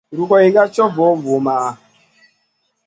Rugayn ká co vo vumaʼa.